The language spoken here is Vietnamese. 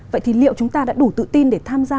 vậy thì liệu chúng ta đã đủ tự tin để tham gia